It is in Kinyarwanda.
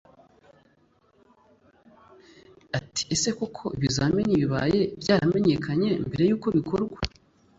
Ati “Ese koko ibizamini bibaye byaramenyekanye mbere y’uko bikorwa